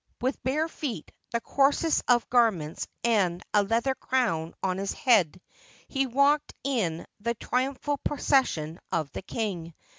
With bare feet, the coarsest of garments, and a leather crown on his head, he walked in the triumphal procession of the king.